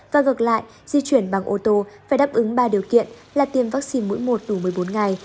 và ngược lại di chuyển bằng ô tô phải đáp ứng ba điều kiện là tiêm vaccine mũi một đủ một mươi bốn ngày